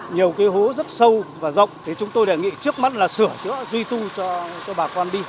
nhiều cái hố rất sâu và rộng thì chúng tôi đề nghị trước mắt là sửa chữa duy tu cho bà con đi